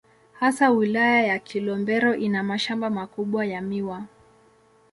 Hasa Wilaya ya Kilombero ina mashamba makubwa ya miwa.